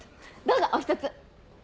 どうぞおひとつ！